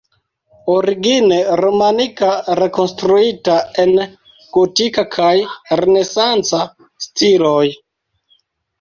Origine romanika, rekonstruita en gotika kaj renesanca stiloj.